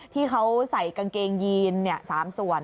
ที่เขาใส่กางเกงยีน๓ส่วน